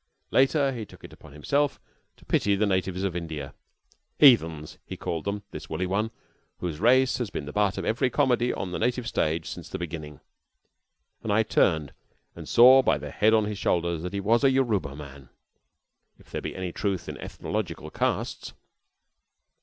Later he took it upon himself to pity the natives of India. "Heathens," he called them this woolly one, whose race has been the butt of every comedy on the native stage since the beginning. And I turned and saw by the head upon his shoulders that he was a Yoruba man, if there be any truth in ethnological castes.